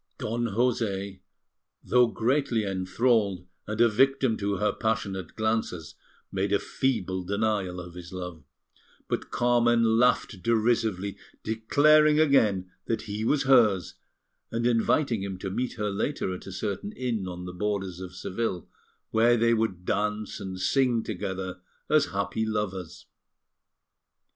Don José, though greatly enthralled and a victim to her passionate glances, made a feeble denial of his love, but Carmen laughed derisively, declaring again that he was hers, and inviting him to meet her later at a certain inn on the borders of Seville, where they would dance and sing together as happy lovers.